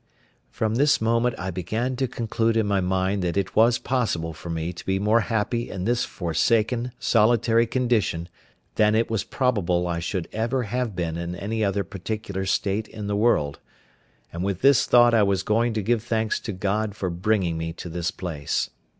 From this moment I began to conclude in my mind that it was possible for me to be more happy in this forsaken, solitary condition than it was probable I should ever have been in any other particular state in the world; and with this thought I was going to give thanks to God for bringing me to this place.